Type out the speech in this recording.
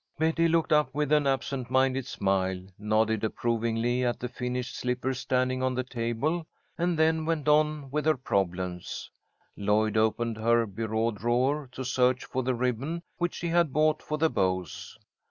Betty looked up with an absent minded smile, nodded approvingly at the finished slippers standing on the table, and then went on with her problems. Lloyd opened her bureau drawer to search for the ribbon which she had bought for the bows.